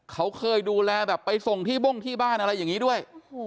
เขาเคยดูแลแบบไปส่งที่บ้งที่บ้านอะไรอย่างนี้ด้วย